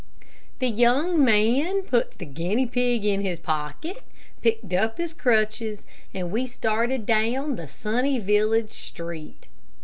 The young man put the guinea pig in his pocket, picked up his crutches, and we started down the sunny village street.